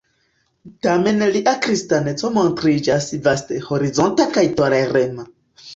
Tamen lia kristaneco montriĝas vasthorizonta kaj tolerema.